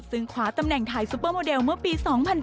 ซึ่งคว้าตำแหน่งไทยซุปเปอร์โมเดลเมื่อปี๒๐๑๘